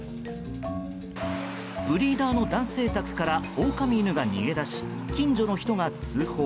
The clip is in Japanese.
ブリーダーの男性宅からオオカミ犬が逃げ出し近所の人が通報。